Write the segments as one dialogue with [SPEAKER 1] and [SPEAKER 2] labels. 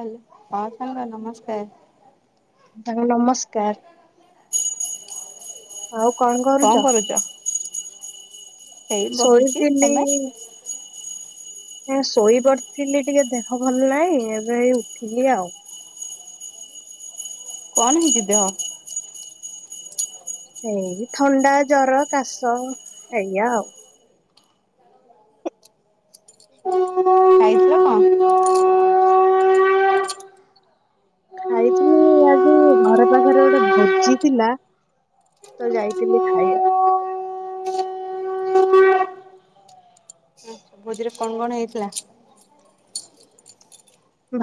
[SPEAKER 1] Hello ହଁ ସଙ୍ଗ ନମସ୍କାର।
[SPEAKER 2] ହେଲୋ ନମସ୍କାର। ଆଉ କଣ କରୁଛ?
[SPEAKER 1] ଏଇ ବସିଛି
[SPEAKER 2] ଶୋଇଥିଲି
[SPEAKER 1] ତମେ
[SPEAKER 2] ଶୋଇପଡି ଥିଲି ଟିକେ ଦେହ ଭଲ ନାହିଁ। ଏବେ ଏଇ ଉଠିଲି ଆଉ।
[SPEAKER 1] କଣ ହେଇଛି ଦେହ?
[SPEAKER 2] ଏଇ ଥଣ୍ଡା, ଜର, କାଶ ଏଇଆ ଆଉ।
[SPEAKER 1] ଖାଇଥିଲ କଣ?
[SPEAKER 2] ଖାଇଥିଲି ଆଜି ଘର ପାଖରେ ଗୋଟେ ଭୋଜି ଥିଲା। ତ ଯାଇଥିଲି ଖାଇବାକୁ।
[SPEAKER 1] ଭୋଜିରେ କଣ କଣ ହେଇଥିଲା?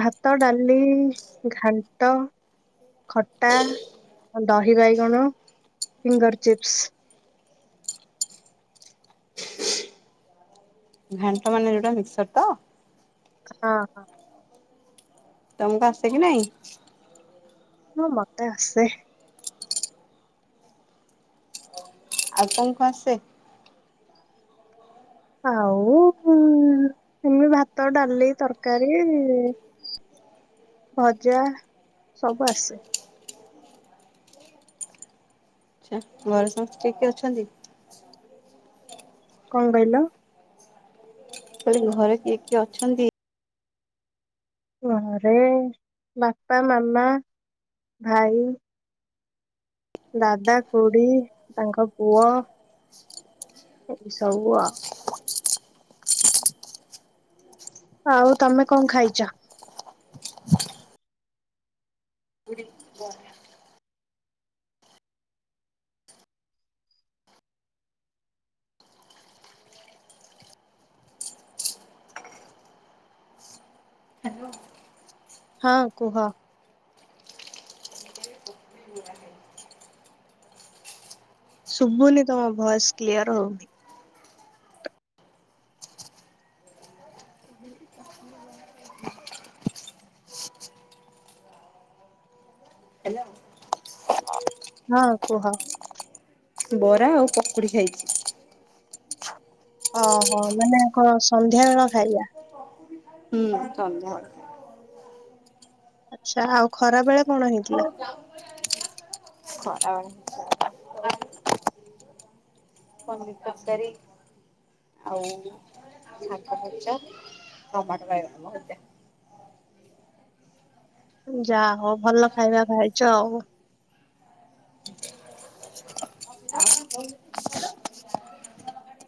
[SPEAKER 2] ଭାତ, ଡାଲି, ଘାଣ୍ଟ ଖଟା, ଦହି ବାଇଗଣ, ଫିଙ୍ଗର ଚିପ୍ସ।
[SPEAKER 1] ଘାଣ୍ଟମାନେ ଯୋଉଟା ମିକ୍ସର ତ?
[SPEAKER 2] ହଁ ହଁ।
[SPEAKER 1] ତମକୁ ଆସେ କି ନାଇଁ?
[SPEAKER 2] ହଁ ମତେ ଆସେ।
[SPEAKER 1] ଆଉ କଣ କଣ ଆସେ।
[SPEAKER 2] ଆଉ ଏମିତି ଭାତ, ଡାଲି, ତରକାରୀ। ଭଜା ସବୁ ଆସେ।
[SPEAKER 1] ଆଛା ଘରେ ସମସ୍ତେ କିଏ କିଏ ଅଛନ୍ତି?
[SPEAKER 2] କଣ କହିଲ
[SPEAKER 1] କହିଲି ଘରେ କିଏ କିଏ ଅଛନ୍ତି?
[SPEAKER 2] ଘରେ ବାପା, ମାମା, ଭାଇ। ଦାଦା, ଖୁଡ଼ି ତାଙ୍କ ପୁଅ ଏଇ ସବୁ ଆଉ ଆଉ ତମେ କଣ ଖାଇଛ? ହଁ କୁହ।
[SPEAKER 1] [inaudible]
[SPEAKER 2] ଶୁଭୁନି ତମ ଭଏସ କ୍ଲିୟର ହଉନି। ହଁ କୁହ।
[SPEAKER 1] ବରା ଆଉ ପକୁଡି ଖାଇଛି।
[SPEAKER 2] ଓହୋ ମାନେ କଣ ସନ୍ଧ୍ୟାବେଳ ଖାଇବା?
[SPEAKER 1] ହୁଁ ସନ୍ଧ୍ୟାବେଳର।
[SPEAKER 2] ଆଛା ଆଉ ଖରାବେଳେ କଣ ହେଇଥିଲା?
[SPEAKER 1] ଖରାବେଳେ ପନିର ତରକାରୀ। ଆଉ ଶାଗ ଭଜା, ଟମାଟୋ ବାଇଗଣ ଭଜା।
[SPEAKER 2] ଯା ହଉ ଭଲ ଖାଇବା ଖାଇଚ ଆଉ।
[SPEAKER 1] [inaudible]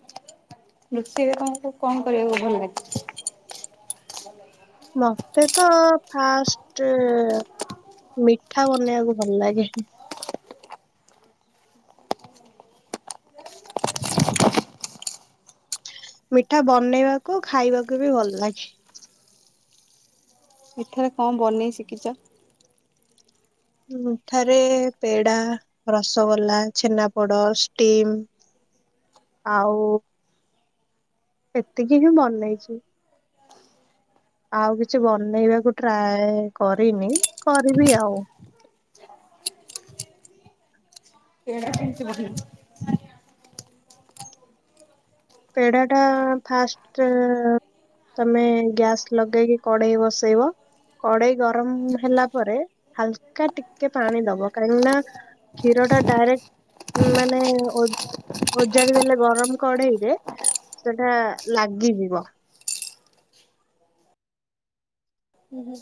[SPEAKER 1] ରୋଷେଇରେ ତମକୁ କଣ କରିବାକୁ ଭଲ ଲାଗେ?
[SPEAKER 2] ମତେ ତ ଫାଷ୍ଟ ମିଠା ବନେଇବାକୁ ଭଲ ଲାଗେ। ମିଠା ବନେଇବାକୁ ଖାଇବାକୁ ବି ଭଲ ଲାଗେ।
[SPEAKER 1] ମିଠାରେ କଣ ବନେଇ ଶିଖିଚ?
[SPEAKER 2] ମିଠାରେ ପେଡ଼ା। ରସଗୋଲା, ଛେନାପୋଡ, ଷ୍ଟିମ୍ ଆଉ ଏତିକି ହିଁ ବନେଇଚି। ଆଉ କିଛି ବନେଇବାକୁ ଟ୍ରାଏ କରିନି କରିବି ଆଉ।
[SPEAKER 1] [inaudible]
[SPEAKER 2] ପେଡା ଟା ଫାଷ୍ଟ ତମେ ଗ୍ୟାସ୍ ଲଗେଇକି କଡେଇ ବସେଇବ। କଡେଇ ଗରମ ହେଲା ପରେ ହାଲକା ଟିକେ ପାଣି ଦବ କାହିଁକି ନା କ୍ଷୀରଟା ଡାଇରେକ୍ଟ ମାନେ ଓଜ ଓଜାଡି ଦେଲେ ଗରମ କଢେଇରେ ସେଟା ଲାଗିଯିବ।
[SPEAKER 1] ହୁଁ।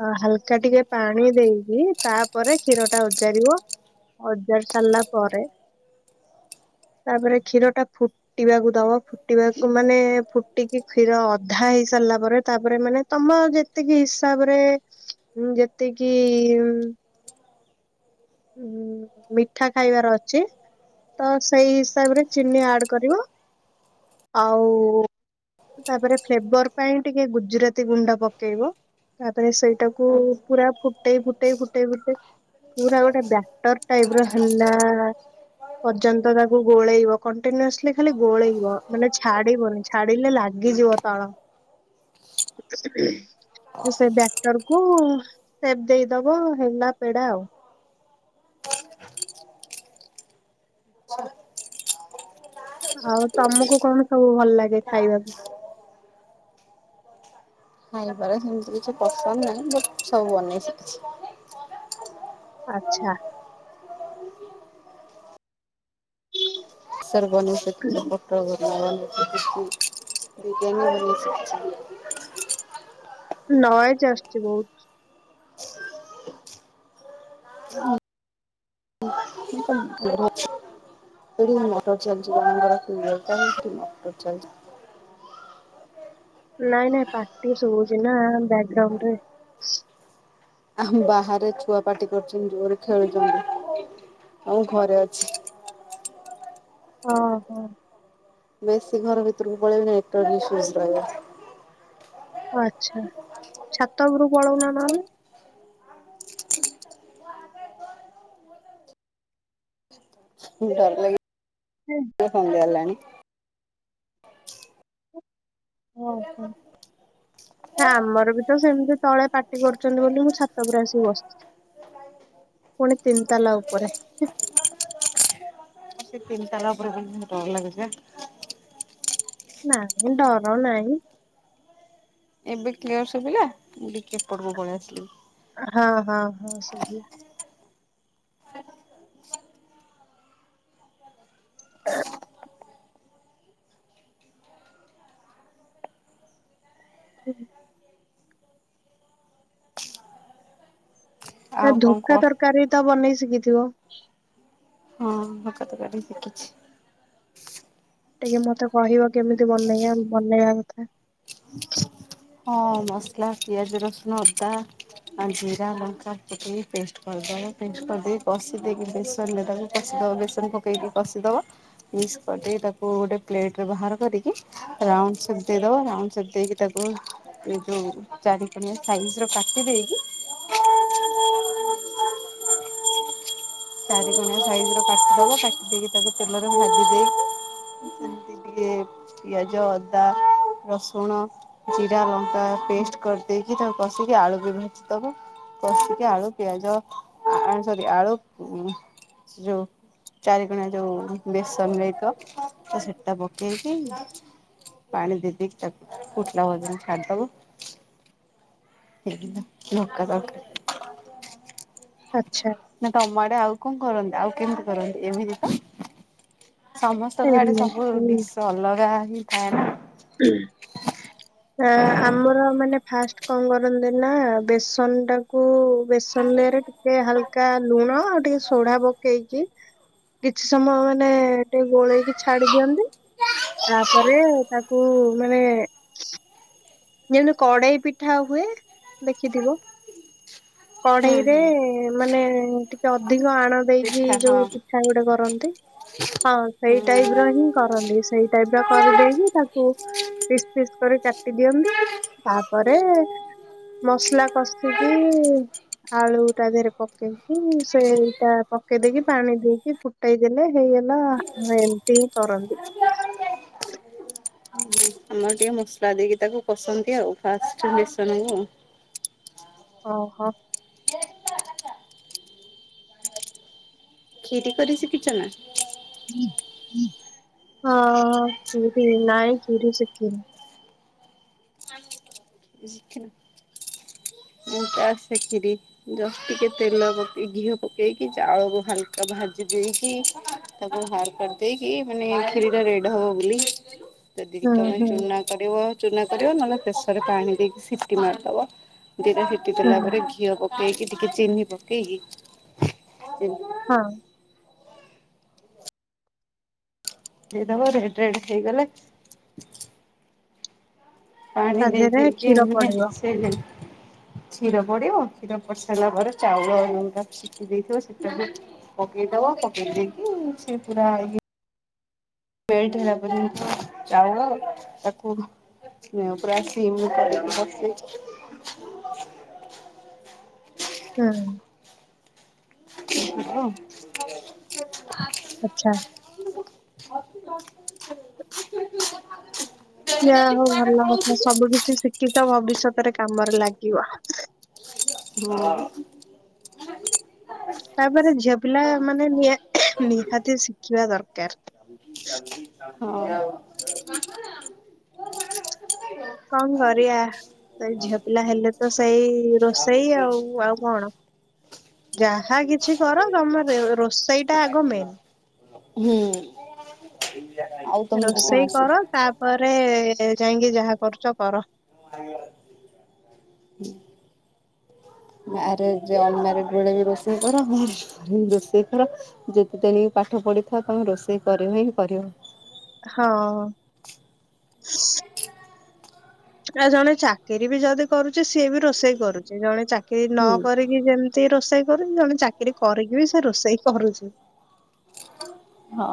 [SPEAKER 2] ଆ ହାଲକା ଟିକେ ପାଣି ଦେଇକି, ତାପରେ କ୍ଷୀର ଟା ଓଯାଡିବ। ଅଯାରି ସାରିଲା ପରେ
[SPEAKER 1] [inaudible]
[SPEAKER 2] ତାପରେ କ୍ଷୀରଟା ଫୁଟିବାକୁ ଦବ। ଫୁଟିବାକୁ ମାନେ ଫୁଟିକି କ୍ଷୀର ଅଧା ହେଇ ସାରିଲା ପରେ, ତାପରେ ମାନେ ତମ ଯେତିକି ହିସାବ ରେ ଯେତିକି ଉଁ ମିଠା ଖାଇବାର ଅଛି, ତ ସେଇ ହିସାବରେ ଚିନି ଆଡ କରିବ। ଆଉ, ତାପରେ ଫ୍ଲେବର ପାଇଁ ଟିକେ ଗୁଜୁରାତି ଗୁଣ୍ଡ ପକେଇବ। ତାପରେ ସେଇଟାକୁ ପୁରା ଫୁଟେଇ, ଫୁଟେଇ, ଫୁଟେଇ, ଫୁଟେଇ ପୁରା ଗୋଟେ ବ୍ୟାଟର ଟାଇପ ର ହେଲା ପର୍ଯ୍ୟନ୍ତ ତାକୁ ଗୋଳେଇବ। କଣ୍ଟିନ୍ୟୁସଲି ଖାଲି ଗୋଳେଇବ। ମାନେ ଛାଡିବନି, ଛାଡିଲେ ଲାଗିଯିବ ତଳ। ସେ ଵ୍ୟାଟର କୁ ସେପ ଦେଇଦବ ହେଲା ପେଡା ଆଉ। ଆଉ ତମକୁ କଣ ସବୁ ଭଲ ଲାଗେ ଖାଇବାକୁ?
[SPEAKER 1] ଖାଇବାରେ ସେମିତି କିଛି ପସନ୍ଦ ନାହିଁ, ବଟ ସବୁ ବନେଇି ଶିଖିଛି।
[SPEAKER 2] ଆଚ୍ଛା। [inaudible]
[SPEAKER 1] ସରବନ ସଛି ପୋଟଳ କରିଚି ଡିଜାଇନ ବନେଇ ସିଖୀଚି।
[SPEAKER 2] ନଏଜ ଆସୁଚି ବହୁତ।
[SPEAKER 1] ଇନକମ [unintelligible] ଏଠି ମଟର ଚାଲଚି, ମୁଲିଆ ଅଛି, ବିଲ ପାଇଁ ମଟର ଚାଲଚି।
[SPEAKER 2] ନାଇଁ, ନାଇଁ ପାଟି ଶୁଭୁଚି ନା ବ୍ୟାକଗ୍ରାଉଣ୍ଡ ରେ।
[SPEAKER 1] ଆଉ ବାହାରେ ଛୁଆ ପାଟି କରୁଚନ୍ତି। ଜୋରେ ଖେଳୁଚନ୍ତି। ଆଉ ଘରେ ଅଛି।
[SPEAKER 2] ଓ ହୋ।
[SPEAKER 1] ବେଶୀ ଘର ଭିତରକୁ ପଳେଇଲେ, ନେଟୱାର୍କ ଇସୁ ଡାଉନ୍ ରହିବ।
[SPEAKER 2] ଆଛା। ଛାତ ଉପରକୁ ପଳଉନ ନହେଲେ।
[SPEAKER 1] ଡ଼ର ଲାଗେ।
[SPEAKER 2] ହେ।
[SPEAKER 1] ସନ୍ଧ୍ୟା ହେଲାଣି
[SPEAKER 2] ଓ ହୋ। ଆମର ବି ତ ସେମିତି ତଳେ ପାଟି କରୁଛନ୍ତି ବୋଲି, ମୁଁ ଛାତ ଉପରେ ଆସି ବସିଛି। ପୁଣି ତିନି ତାଲା ଉପରେ
[SPEAKER 1] ସେ ତିନିତାଲା ଉପରେ ବୁଲୁଛନ୍ତି ଡର ଲାଗୁଛି ପା
[SPEAKER 2] ନାଁ, ଡର ନାହିଁ।
[SPEAKER 1] ଏବେ କ୍ଲିୟର ଶୁଭିଲା? ମୁଁ ଟିକେ ଏପଟକୁ ପଳେଇ ଆସିଲି।
[SPEAKER 2] ହଁ, ହଁ, ହଁ ସୁବି ଏ ହଁ, ଏ
[SPEAKER 1] ଆଉ କଣ
[SPEAKER 2] ଧୋକ୍କା
[SPEAKER 1] କହ
[SPEAKER 2] ତରକାରୀ ତ ବନେଇ ଶିଖିଥିବ?
[SPEAKER 1] ହଁ, ଧୋକା ତରକାରୀ ବନେଇ ଶିଖିଛି।
[SPEAKER 2] ଟିକେ ମତେ କହିବ, କେମିତି ବନେଇବ, ବନେଇବା କଥା?
[SPEAKER 1] ହଁ, ମସଲା ପିଆଜ ରସୁଣ ଅଦା ଆ ଜିରା ଲଙ୍କା ପକେଇକି ପେଷ୍ଟ କରିଦେବ। ପେଷ୍ଟ କରିଦେଇି କଷି ଦେଇକି ବେସନରେ ତାକୁ କଷିଦବ, ବେସନ ପକେଇକି କଷିଦବ। ମିକ୍ସ କରିଦେଇ ତାକୁ ଗୋଟେ ପ୍ଲେଟ ରେ ବାହାର କରିକି ରାଉଣ୍ଡ ସେଟ ଦେଇଦବ। ରାଉଣ୍ଡସେଟ ଦେଇକି ତାକୁ, ଓ, ଏ ଯୋଉ ଚାରିକଣିଆ ସାଇଜ ର କାଟି ଦେଇକି ଚାରି କଣିଆ ସାଇଜ ର କାଟିଦବ, କାଟି ଦେଇକି ତାକୁ ତେଲରେ ଭାଜି ଦେଇକି ଯେ ଟିକେ ପିଆଜ, ଅଦା, ରସୁଣ, ଜିରା ଲଙ୍କା ପେଷ୍ଟ କରିଦେଇକି ତାକୁ କଷିକି, ଆଳୁ ବି ଭାଜିଦବ କଷିକି ଆଳୁ, ପିଆଜ, ସରି ଆଳୁ ସେ ଯଉ ଚାରି କନିଆ ଯୋଉ ବେସନ ନେଇଚ ତ ସେଟା ପକେଇକି ପାଣି ଦେଇ ଦେଇକି ତାକୁ ଫୁଟିଲା ପର୍ଯ୍ୟନ୍ତ ଛାଡିଦେବ [unintelligible]
[SPEAKER 2] ଆଛା।
[SPEAKER 1] ନା ତମ ଆଡେ ଆଉ କଣ କରନ୍ତି? ଆଉ କେମିତି କରନ୍ତି? ଏମିତି ତ ସମସ୍ତଙ୍କ ଆଡେ ସବୁ
[SPEAKER 2] ଏମିତି।
[SPEAKER 1] ଡିସ୍ ଅଲଗା ହିଁ ଥାଏ ନା
[SPEAKER 2] ହୁଁ। ଆ ଆମର ମାନେ ଫାଷ୍ଟ କଣ କରନ୍ତି ନା, ବେସନ ଟାକୁ ବେସନ ଦିହରେ ଟିକେ ହାଲକା ଲୁଣ ଆଉ ଟିକେ ସୋଢା ପକେଇ କିଛି ସମୟ ମାନେ ଟିକେ ଗୋଳେଇକି ଛାଡି ଦିଅନ୍ତି ତାପରେ ତାକୁ ମାନେ ଯେମିତି କଡେଇ ପିଠା ହୁଏ, ଦେଖିଥିବ?
[SPEAKER 1] ହୁଁ
[SPEAKER 2] କଢେଇରେ
[SPEAKER 1] ହୁଁ।
[SPEAKER 2] ମାନେ ଟିକେ ଅଧିକ ଆଣ ଦେଇକି
[SPEAKER 1] ପିଠା ହଁ
[SPEAKER 2] ଯୋଉ ପିଠା ଗୁଟେ କରନ୍ତି, ହଁ ସେଇ ଟାଇପ୍
[SPEAKER 1] ହୁଁ।
[SPEAKER 2] ରହି କରନ୍ତି ସେଇ ଟାଇପ୍ ର କରିଦେଇକି ତାକୁ ପିସ୍ ପିସ୍ କରି କାଟି ଦିଅନ୍ତି ତାପରେ ମସଲା କଷିକି ଆଳୁ ତା ଦେହରେ ପକେଇକି ସେଇଟା ପକେଇ ଦେଇକି ପାଣି ଦେଇକି ଫ ଗଟାଇଦିନେ ହେଇେଲା ଏନ୍ତି କରନ୍ତି।
[SPEAKER 1] ଆମର ଟିକେ ମସଲା ଦେଇକି ତାକୁ କସନ୍ତି ଆଉ। ଫାଷ୍ଟ ମିସନ କ
[SPEAKER 2] ଓହୋ।
[SPEAKER 1] କ୍ଷିରି କରି ଶିଖି ଛନା?
[SPEAKER 2] ହଁ କ୍ଷୀରି ନାଇଁ କରି ଶିଖିନି।
[SPEAKER 1] ଶିଖିନ? ହୁଁ ପାସ କ୍ଷୀରି ଜଷ୍ଟ ଟିକେ ତେଲ ପକେଇ ଘିଅ ପକେଇକି ଚାଉଳରୁ ହାଲକା ଭାଜି ଦେଇକି ତାକୁ ଭାର କରିଦେଇକି ମାନେ କ୍ଷିରି ଟା ରେଡ ହବ ବୋଲି ଯଦିି
[SPEAKER 2] ହୁଁ
[SPEAKER 1] ତମେ
[SPEAKER 2] ହୁଁ
[SPEAKER 1] ଚୁନା କରିବ, ଚୁନା କରିବ ନହେଲେ ପ୍ରେସର ରେ ପାଣି ଦେଇକି ସିଟି ମାରି ଦବ ଦିଟା କୁଟି ଦେଲା
[SPEAKER 2] ହୁଁ
[SPEAKER 1] ପରେ ଘିଅ ପକେଇକି ଟିକେ ଚିନି ପକେଇକି
[SPEAKER 2] ହଁ
[SPEAKER 1] ଦେଇଦବ ରେଟ ରାଟ ହେଇଗଲେ ପାଣି
[SPEAKER 2] ତା ଦେହରେ
[SPEAKER 1] ଦେଇଦାଇକେ
[SPEAKER 2] କ୍ଷୀର
[SPEAKER 1] ମାନେ
[SPEAKER 2] ପଡିବ
[SPEAKER 1] ସେ କ୍ଷୀର ପଡିବ କ୍ଷୀର ପଡି ସାରିଲା ପରେ ଚାଉଳା ତାକୁ ସିଖି ଦେଇଥିବ ସି ପକେଇଦବ ପକେଇ ଦେଇେଇକି ସେ ପୁରା ଇଏ ମେଲ୍ଟ ହେଲା ପରେ ଚାଉଳ ତାକୁ ପ୍ରାୟ ସିମରେ ବସେଇ [inaudible]
[SPEAKER 2] ହୁଁ
[SPEAKER 1] ହୁଁ
[SPEAKER 2] ଆଛା
[SPEAKER 1] [inaudible]
[SPEAKER 2] ଯା ହଉ ଭଲ କଥା ସବୁ କିଛି ସିଖିଚ ଭବିଷ୍ୟତରେ କାମରେ ଲାଗିବ।
[SPEAKER 1] ହୁଁ
[SPEAKER 2] ତାପରେ ଝିଅ ପିଲା ମାନେ ନି ନିହାତି ଶିଖିବା ଦରକାର।
[SPEAKER 1] [inaudible] ହଉ
[SPEAKER 2] କଣ କରିବା? ସେଇ ଝିଅ ପିଲା ହେଲେ ତ ସେଇ ରୋଷେଇ ଆଉ ଆଉ କଣ ଯାହା କିଛି କର ତମର ରୋଷେଇ ଟା ଆଗ ମେନ୍।
[SPEAKER 1] ହୁଁ ଆଉ
[SPEAKER 2] ରୋଷେଇ
[SPEAKER 1] ଆସେ?
[SPEAKER 2] କର ତାପରେ ଯାଇକି ଯାହା କରୁଛ କର।
[SPEAKER 1] [inaudible] ମ୍ୟାରେଜ୍ ଅନମ୍ୟାରେଡ ବେଳେ ବି ରୋଷେଇ କର ରୋଷେଇ କର। ଯେତେ ତେଣିକି ପାଠ ପଢିଥା ତମେ ରୋଷେଇ କରିବ ହିଁ କରିବ।
[SPEAKER 2] ହଁ। ଆଉ ଜଣେ ଚାକିରୀ ବି ଯଦି କରୁଚି ସିଏ ବି ରୋଷେଇ କରୁଛି ଜଣେ ଚାକିରି
[SPEAKER 1] ହୁଁ।
[SPEAKER 2] ନକ ରି ଯେମିତି ରୋଷେଇ କରୁଛି ଜଣେ ଚାକିରି କରିକି ବି ସେ ରୋଷେଇ କରୁଛି।
[SPEAKER 1] ହଁ।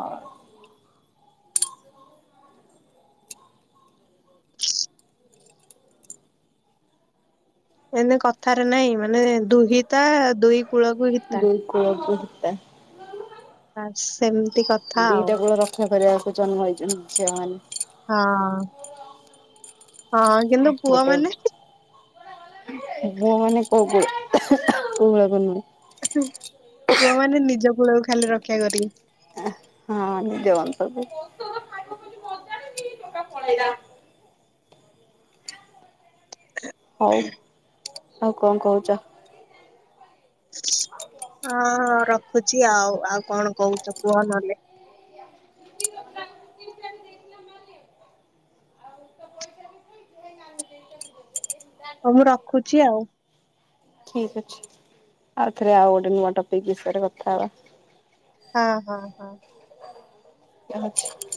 [SPEAKER 2] ଏନ୍ତି କଥାରେ ନାଇଁ ମାନେ ଦୁହିତା ଦୁଇ କୂଳକୁ ହିତା।
[SPEAKER 1] ଦୁଇ କୂଳକୁ ହିତା
[SPEAKER 2] ସେମତି କଥା। ଆଉ
[SPEAKER 1] ଦିଟା କୂଳ ରକ୍ଷା କରିବାକୁ ଜନ୍ମ ହେଇଛନ୍ତି ଝିଅ ମାନେ।
[SPEAKER 2] ହଁ। ହଁ କିନ୍ତୁ ପୁଅ
[SPEAKER 1] ଗୋଟେ
[SPEAKER 2] ମାନେ
[SPEAKER 1] ମୁଁ ମାନେ କଉ କୁ କୂଳକୁ ନୁ।
[SPEAKER 2] ପୁଅ ମାନେ ନିଜ କୂଳକୁ ଖାଲି ରକ୍ଷା କରିବେ।
[SPEAKER 1] ହଁ ନିଜ ବଂଶକୁ। ହଉ ଆଉ କଣ କହୁଚ?
[SPEAKER 2] ହଁ ହଁ ରଖୁଛି ଆଉ ଆଉ କଣ କହୁଛ କୁହ ନହଲେ।
[SPEAKER 1] [unintelligible]
[SPEAKER 2] ହଉ ମୁଁ ରଖୁଛି ଆଉ।
[SPEAKER 1] ଠିକ ଅଛି ଆଉ ଥରେ ଆଉ ଗୋଟେ ନୂଆ ଟପିକ ବିଷୟରେ କଥା ହବା।
[SPEAKER 2] ହଁ ହଁ ହଁ।
[SPEAKER 1] ଅଛି।